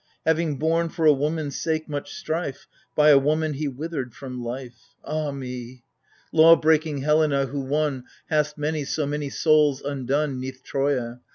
Having borne, for a woman's sake, much strife — By a woman he withered from life ! Ah me ! AGAMEMNON. 127 Law breaking Helena who, one, Hast many, so many souls undone 'Neath Troia